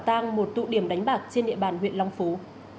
tăng một tụ điểm đánh bạc trên địa bàn huyện long phú